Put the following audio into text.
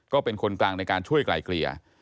ก็เป็นคนกลางในการช่วยไกลเกลี่ย